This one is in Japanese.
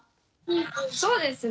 そうですね。